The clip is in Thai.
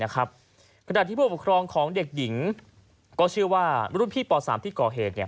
ขณะที่ผู้ปกครองของเด็กหญิงรุ่นพี่ป๓ที่กฮ